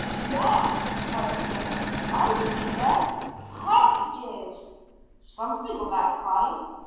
"Yes," cried Chris. "I see them partridges." "Something of that kind.